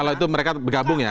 kalau itu mereka bergabung ya